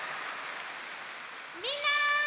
みんな！